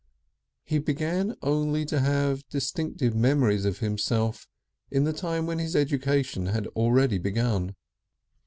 He began only to have distinctive memories of himself in the time when his education had already begun.